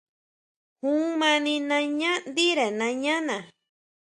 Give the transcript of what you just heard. Jun mani nañá ndire nañá na.